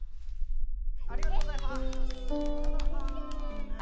ありがとうございますわ！